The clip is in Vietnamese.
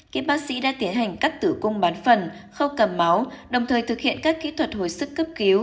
các bác sĩ đã tiến hành cắt tử cung bán phần khâu cầm máu đồng thời thực hiện các kỹ thuật hồi sức cấp cứu